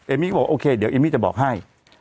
มี่ก็บอกโอเคเดี๋ยวเอมมี่จะบอกให้